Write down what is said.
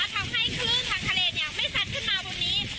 ทำให้คลื่นทางทะเลเนี่ยไม่สัดขึ้นมาตรงนี้